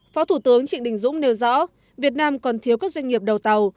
phó thủ tướng trịnh đình dũng nêu rõ việt nam còn thiếu các doanh nghiệp đầu tàu